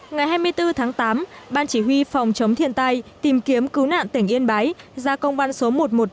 ngày hai mươi bốn tháng tám ban chỉ huy phòng chống thiên tai tìm kiếm cứu nạn tỉnh yên bái ra công văn số một trăm một mươi năm